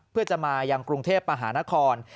เพื่อจะมายังกรุงเทพมหานคร